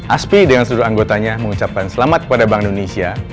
aspi dengan seluruh anggotanya mengucapkan selamat kepada bank indonesia